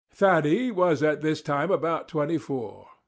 Thady was at this time about twenty four.